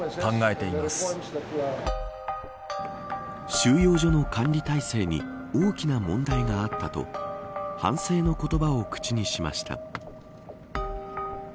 収容所の管理体制に大きな問題があったと反省の言葉を口にしました。